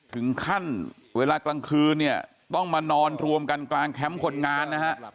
ถึงขั้นเวลากลางคืนเนี่ยต้องมานอนรวมกันกลางแคมป์คนงานนะฮะ